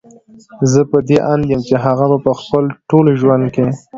زه په دې اند يم چې هغه به په خپل ټول ژوند کې